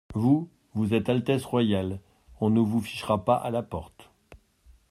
Vous, vous êtes Altesse Royale, on ne vous fichera pas à la porte !